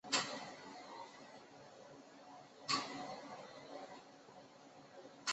鄂西茶藨子为虎耳草科茶藨子属下的一个种。